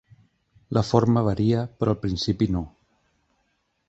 La forma varia, però el principi no.